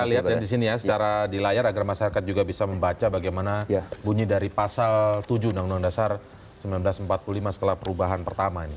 kita lihat di sini ya secara di layar agar masyarakat juga bisa membaca bagaimana bunyi dari pasal tujuh undang undang dasar seribu sembilan ratus empat puluh lima setelah perubahan pertama ini